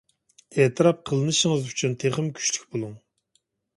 ئېتىراپ قىلىنىشىڭىز ئۈچۈن تېخىمۇ كۈچلۈك بولۇڭ!